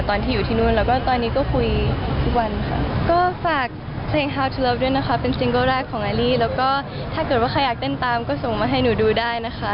ตอนที่อยู่ที่นู่นแล้วก็ตอนนี้ก็คุยทุกวันค่ะก็ฝากด้วยนะคะเป็นของแล้วก็ถ้าเกิดว่าใครอยากเต้นตามก็ส่งมาให้หนูดูได้นะคะ